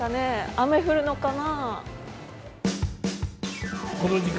雨降るのかな？